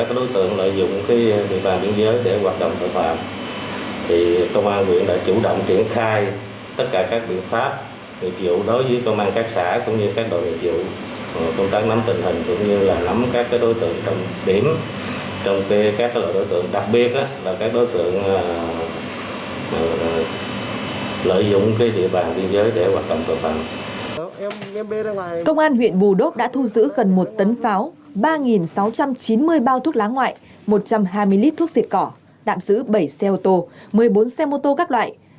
công an huyện bù đốc đã thu giữ gần một tấn pháo ba sáu trăm chín mươi bao thuốc lá ngoại một trăm hai mươi lít thuốc xịt cỏ tạm giữ bảy xe ô tô một mươi bốn xe mô tô các loại